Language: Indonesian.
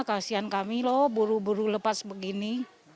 kasian kami loh buru buru lepas begini